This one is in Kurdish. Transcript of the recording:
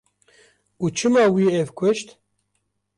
Û çima wî ew kuşt?